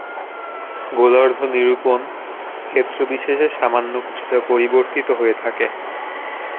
গোলার্ধ নিরূপণ ক্ষেত্রবিশেষে সামান্য কিছুটা পরিবর্তিত হয়ে থাকে।